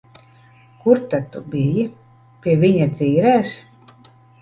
Kur tad tu biji? Pie viņa dzīrēs?